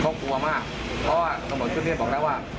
เขากลัวมากเพราะว่าทั้งหมดทุกที่บอกแล้วว่า